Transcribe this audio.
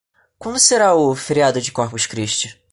Quando será o feriado de Corpus Christi?